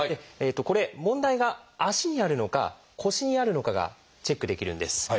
これ問題が足にあるのか腰にあるのかがチェックできるんです。